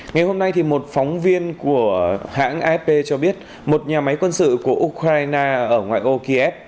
ngày hôm nay một phóng viên của hãng afp cho biết một nhà máy quân sự của ukraine ở ngoại ô kiev